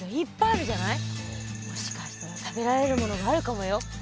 もしかしたら食べられるものがあるかもよ。